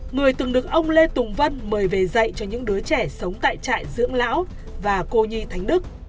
người từng được ông lê tùng vân mời về dạy cho những đứa trẻ sống tại trại dưỡng lão và cô nhi thánh đức